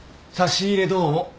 差し入れどうも。